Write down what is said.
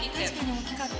大きかった。